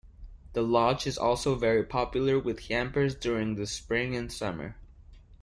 The Loch is also very popular with campers during the spring and summer.